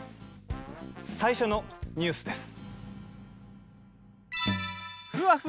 最初のニュースです。